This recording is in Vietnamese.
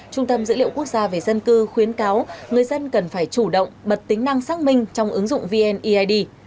trung tâm dữ liệu quốc gia về dân cư khuyến cáo người dân cần phải chủ động bật tính năng xác minh trong ứng dụng vneid